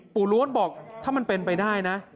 ล้วนบอกถ้ามันเป็นไปได้นะ